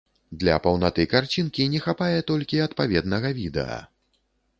Для паўнаты карцінкі не хапае толькі адпаведнага відэа.